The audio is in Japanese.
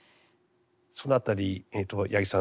そのあたり八木さん